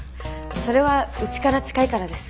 それはうちから近いからです。